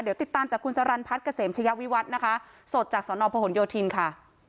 เดี๋ยวติดตามจากคุณสรรพัฒน์กระเสมเชยวิวัฒน์นะคะสดจากสนพยค่ะ